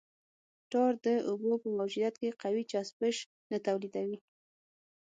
ټار د اوبو په موجودیت کې قوي چسپش نه تولیدوي